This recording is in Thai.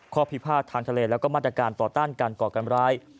พิพาททางทะเลแล้วก็มาตรการต่อต้านการก่อการร้าย